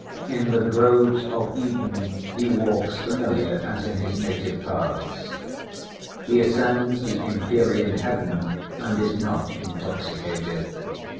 In the groves of Eden he walks familiar as in his native paths. He ascends the empyrean heaven, and is not intoxicated.